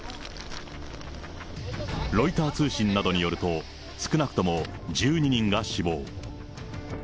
ロイター通信などによると、少なくとも１２人が死亡。